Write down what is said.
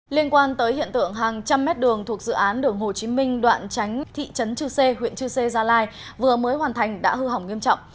liên quan tới hiện tượng hàng trăm mét đường thuộc dự án đường hồ chí minh đoạn tránh thị trấn chư sê huyện chư sê gia lai vừa mới hoàn thành đã hư hỏng nghiêm trọng